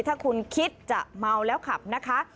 ถ้าคุณคิดจะเมาแล้วขับนะคะ